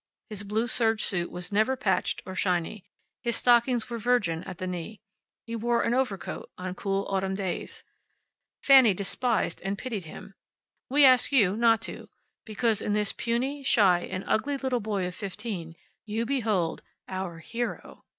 His blue serge suit was never patched or shiny. His stockings were virgin at the knee. He wore an overcoat on cool autumn days. Fanny despised and pitied him. We ask you not to, because in this puny, shy and ugly little boy of fifteen you behold Our Hero.